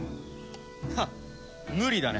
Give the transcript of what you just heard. ハッ無理だね。